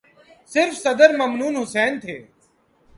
صرف صدر ممنون حسین تھے۔